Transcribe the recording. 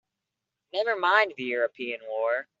Never mind the European war!